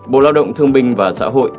bộ lao động thương minh và xã hội